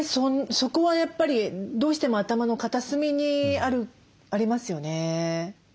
そこはやっぱりどうしても頭の片隅にありますよね。